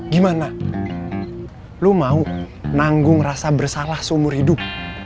gimana lu mau nanggung rasa bersalah seumur hidup